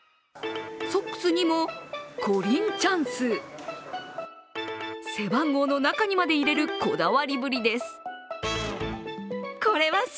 ソックスにもコリンチャンス、背番号の中にまで入れるこだわりぶりです。